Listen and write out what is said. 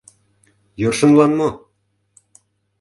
Йӧршынлан мо?